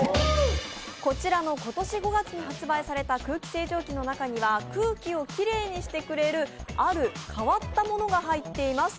こちらの今年５月に発売された空気清浄機の中には空気をきれいにしてくれるある変わったものが入っています。